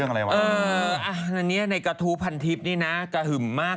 อะไรวะอ่าอ่าอันนี้ในกระทูพันทิฟนี่น่ะกระหึมมาก